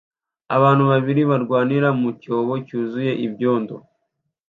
abantu babiri barwanira mu cyobo cyuzuye ibyondo